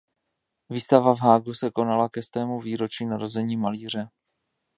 Výstava v Haagu se konala ke stému výročí narození malíře.